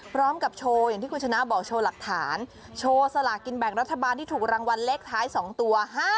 พร้อมกับโชว์อย่างที่คุณชนะบอกโชว์หลักฐานโชว์สลากินแบ่งรัฐบาลที่ถูกรางวัลเลขท้าย๒ตัว๕๗